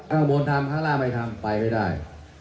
ข้างบนทำข้างล่างไม่ทำไปไม่ได้